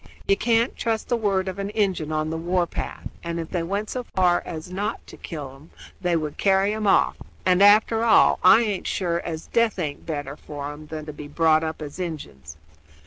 You can't trust the word of an Injun on the war path, and if they went so far as not to kill 'em they would carry 'em off; and, after all, I aint sure as death aint better for 'em than to be brought up as Injuns.